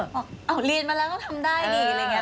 บอกอ้าวเรียนมาแล้วก็ทำได้ดิอะไรอย่างเงี้ย